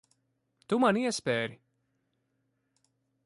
Tu man iespēri.